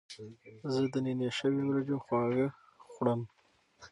زه د نینې شوي وریجو خواږه خوړم.